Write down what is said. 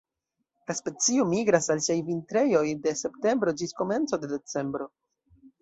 La specio migras al siaj vintrejoj de septembro ĝis komenco de decembro.